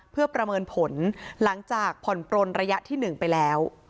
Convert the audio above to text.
เพื่อประเมินผลหลังจากผ่อนปลนระยะที่๑ไปแล้ว